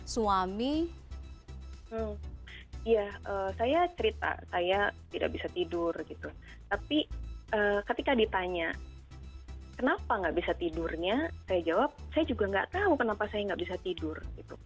saya jawab saya juga nggak tahu kenapa saya nggak bisa tidur